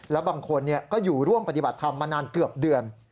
แล้วบางคนก็อยู่ร่วมปฏิบัติธรรมมานานเกือบเดือน